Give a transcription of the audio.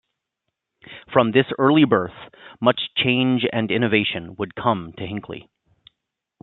From this early birth, much change and innovation would come to Hinckley.